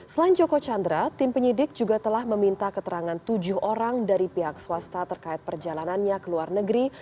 selain joko chandra tim penyidik juga telah meminta keterangan tujuh orang dari pihak swasta terkait perjalanannya ke luar negeri